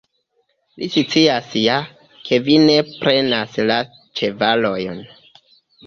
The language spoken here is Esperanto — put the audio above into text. Li scias ja, ke vi ne prenas la ĉevalojn.